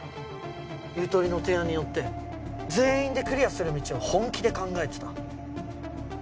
ゆとりの提案にのって全員でクリアする道を本気で考えてた。